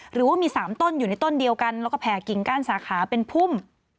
หรือว่ามี๓ต้นอยู่ในต้นเดียวกันแล้วก็แผ่กิ่งก้านสาขาเป็นพุ่ม